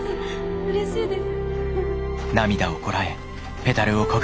うれしいです。